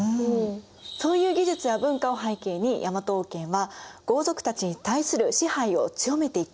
そういう技術や文化を背景に大和王権は豪族たちに対する支配を強めていった。